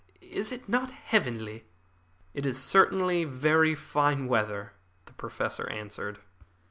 Is it not heavenly?" "It is certainly very fine weather," the Professor answered.